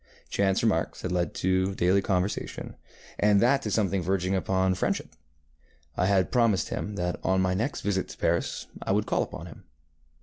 Chance remarks had led to daily conversation, and that to something verging upon friendship. I had promised him that on my next visit to Paris I would call upon him.